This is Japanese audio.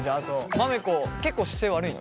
まめこ結構姿勢悪いの？